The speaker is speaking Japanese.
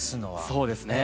そうですね。